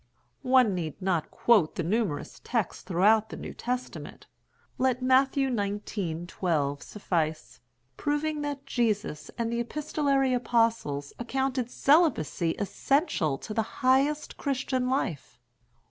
One need not quote the numerous texts throughout the New Testament (let Matthew xix., 12, suffice) proving that Jesus and the epistolary apostles accounted celibacy essential to the highest Christian life.